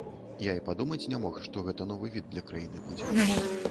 Я і падумаць не мог, што гэта новы від для краіны будзе.